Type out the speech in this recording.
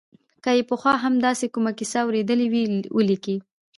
که یې پخوا هم داسې کومه کیسه اورېدلې وي ولیکي.